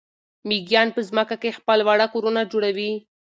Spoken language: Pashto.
مېږیان په ځمکه کې خپل واړه کورونه جوړوي.